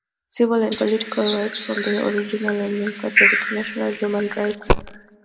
Civil and political rights form the original and main part of international human rights.